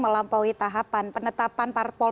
melampaui tahapan penetapan parpol